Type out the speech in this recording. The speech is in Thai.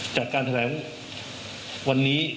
จากการแถลงวันนี้